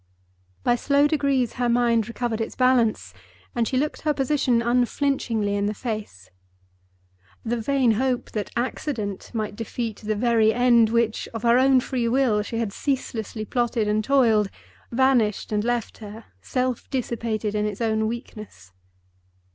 By slow degrees her mind recovered its balance and she looked her position unflinchingly in the face. The vain hope that accident might defeat the very end for which, of her own free will, she had ceaselessly plotted and toiled, vanished and left her; self dissipated in its own weakness.